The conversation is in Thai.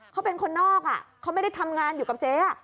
เขาเป็นคนนอกเขาไม่ได้ทำงานอยู่กับเจ๊